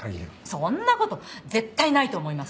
そんな事絶対ないと思います。